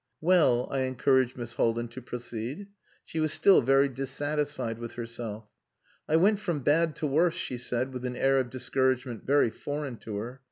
"Well," I encouraged Miss Haldin to proceed. She was still very dissatisfied with herself. "I went from bad to worse," she said, with an air of discouragement very foreign to her.